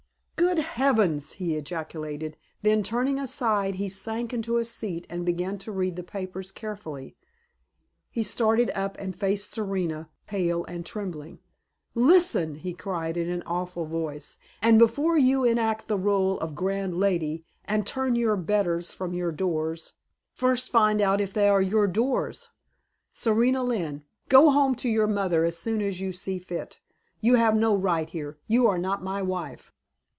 "Good heavens!" he ejaculated; then turning aside he sank into a seat and began to read the papers carefully. He started up and faced Serena, pale and trembling. "Listen!" he cried, in an awful voice, "and before you enact the rôle of grand lady and turn your betters from your doors, first find out if they are your doors. Serena Lynne, go home to your mother as soon as you see fit. You have no right here. You are not my wife!"